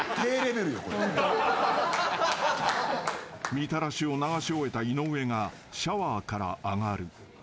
［みたらしを流し終えた井上がシャワーから上がる］